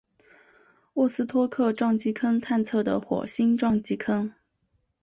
沃斯托克撞击坑探测的火星撞击坑。